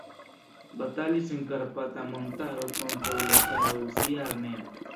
Batalis en Karpata montaro kontraŭ la cara rusia armeo.